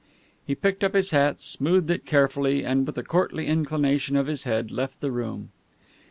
He picked up his hat, smoothed it carefully and with a courtly inclination of his head, left the room.